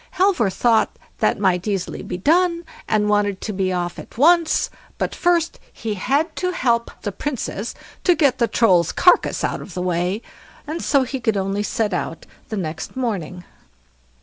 Halvor thought that might easily be done, and wanted to be off at once; but first he had to help the Princess to get the Troll's carcass out of the way, and so he could only set out next morning.